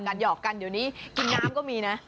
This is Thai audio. หยอกกันเดี๋ยวนี้กินน้ำก็มีนะ